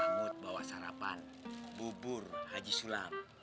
semut bawa sarapan bubur haji sulam